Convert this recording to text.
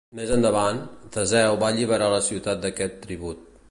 Més endavant, Teseu va alliberar la ciutat d'aquest tribut.